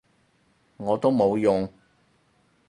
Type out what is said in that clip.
我都冇用